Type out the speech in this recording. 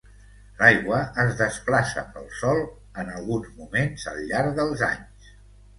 L'aigua es desplaça pel sòl en algun moment al llarg dels anys.